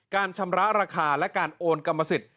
ชำระราคาและการโอนกรรมสิทธิ์